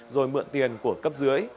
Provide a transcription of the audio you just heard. rồi mượn tiền của cấp dưới